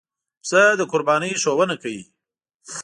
پسه د قربانۍ ښوونه کوي.